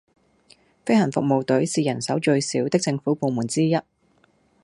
飛行服務隊是人手最少的政府部門之一